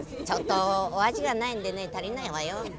ちょっとお足がないんでね足りないわよ。